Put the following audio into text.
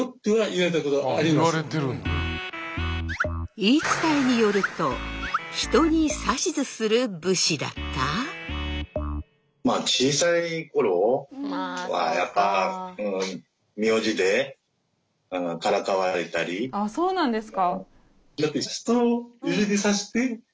言い伝えによると人にまあああそうなんですか。